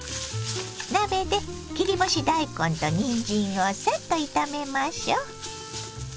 鍋で切り干し大根とにんじんをサッと炒めましょ。